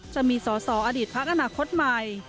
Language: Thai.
จะมีสอสออดีตพักอนาคตใหม่